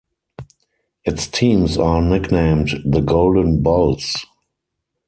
Its teams are nicknamed the Golden Bulls.